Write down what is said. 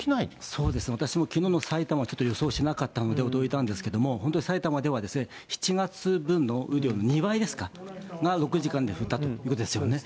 そうですね、私もきのうの埼玉、予想してなかったので驚いたんですけれども、本当に埼玉では、７月分の雨量の２倍ですか、が６時間で降ったということですよね。